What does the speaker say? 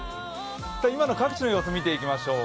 今の各地の様子を見ていきましょう。